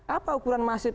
apa ukuran masif